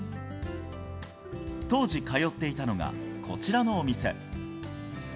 当時通っていたのが、こちらのお店。